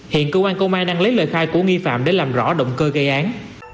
hiện công an công an đang lấy lời khai của nghi phạm để làm rõ động cơ gây án